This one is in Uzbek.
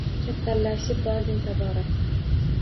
Kattalashib bording tobora.